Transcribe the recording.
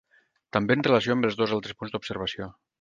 També en relació amb els dos altres punts d'observació.